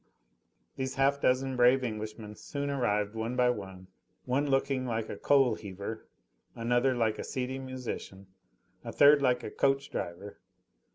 These half dozen brave Englishmen soon arrived one by one: one looked like a coal heaver, another like a seedy musician, a third like a coach driver.